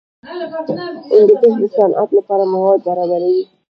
هندوکش د صنعت لپاره مواد برابروي.